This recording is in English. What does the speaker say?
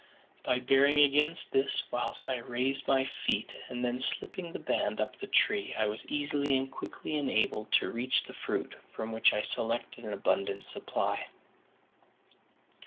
By bearing against this whilst I raised my feet and then slipping the band up the tree, I was easily and quickly enabled to reach the fruit, from which I selected an abundant supply.